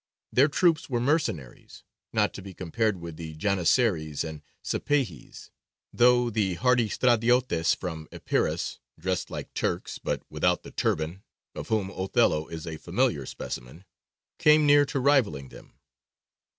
Their troops were mercenaries, not to be compared with the Janissaries and Sipāhis, though the hardy Stradiotes from Epirus, dressed like Turks, but without the turban, of whom Othello is a familiar specimen, came near to rivalling them.